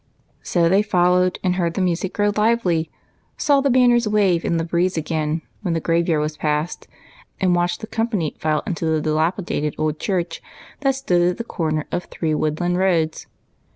So they followed and heard the music grow lively, saw the banners wave in the breeze again when the graveyard was passed, and watched the company file into the dilapidated old church that stood at the corner of three woodland roads.